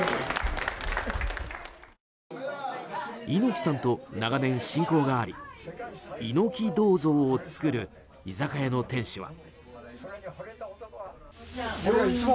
猪木さんと長年親交があり猪木銅像を作る居酒屋の店主は。